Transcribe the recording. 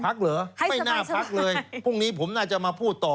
เหรอไม่น่าพักเลยพรุ่งนี้ผมน่าจะมาพูดต่อ